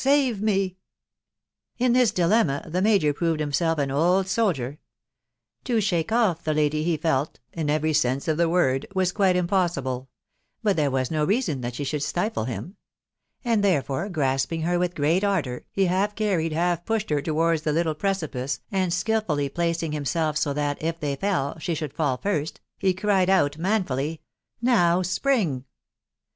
— save me !'* In this dilemma the major proved himself an old soldier To shake off the lady, he feit (in every sense of the word) was quite impossible ; but there was no reason that she should stifle him ; and therefore grasping her with great ardour, he half carried, half pushed her towards the little precipice, and skilfully placing himself so that, if they fell, she should fall first, he cried out manfully, <e Now spring